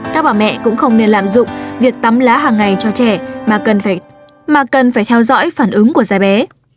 các bà mẹ cũng không nên lạm dụng việc tắm lá hàng ngày cho trẻ mà cần phải theo dõi phản ứng của da bé